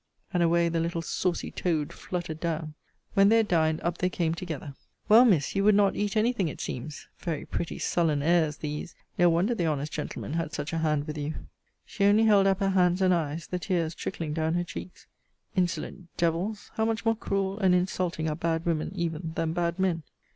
And away the little saucy toad fluttered down. When they had dined, up they came together. Well, Miss, you would not eat any thing, it seems? Very pretty sullen airs these! No wonder the honest gentleman had such a hand with you. She only held up her hands and eyes; the tears trickling down her cheeks. Insolent devils! how much more cruel and insulting are bad women even than bad men!